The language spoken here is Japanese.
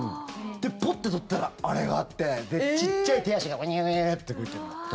で、ポッて取ったらあれがあってちっちゃい手足がウニョウニョって動いてるの。